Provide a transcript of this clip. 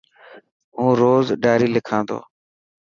هون روز ڊائري لکا تو.